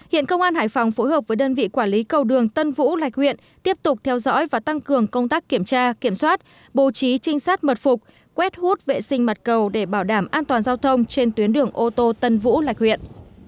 hiện công an hải phòng phối hợp với đơn vị quản lý cầu đường tân vũ lạch huyện tiếp tục theo dõi và tăng cường công tác kiểm tra kiểm soát bố trí trinh sát mật phục quét hút vệ sinh mặt cầu để bảo đảm an toàn giao thông trên tuyến đường ô tô tân vũ lạch huyện